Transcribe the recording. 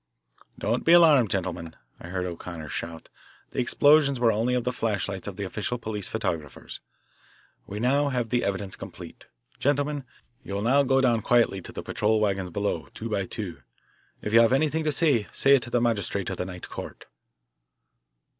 "Don't be alarmed, gentlemen," I heard O'Connor shout, "the explosions were only the flashlights of the official police photographers. We now have the evidence complete. Gentlemen, you will now go down quietly to the patrol wagons below, two by two. If you have anything to say, say it to the magistrate of the night court."